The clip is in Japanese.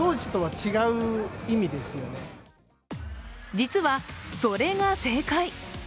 実はそれが正解！